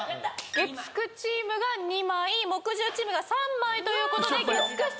月９チームが２枚木１０チームが３枚ということで月９チームの勝利！